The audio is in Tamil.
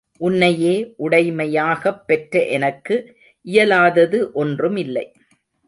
உன்னையே உடைமையாகப் பெற்ற எனக்கு இயலாதது ஒன்றுமில்லை.